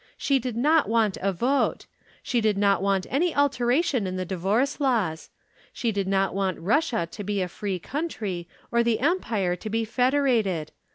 She did not want a vote. She did not want any alteration in the divorce laws. She did not want Russia to be a free country or the Empire to be federated.